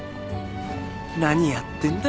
何やってんだよ。